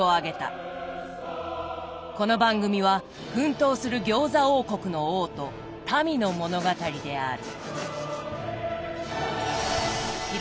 この番組は奮闘する餃子王国の王と民の物語である。